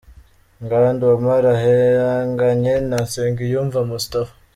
Ngandu Omar ahanganye na Nsengiyumva Moustapha.